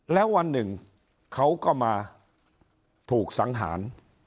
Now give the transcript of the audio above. แล้ววันหนึ่งเขาก็มาถูกสังหาร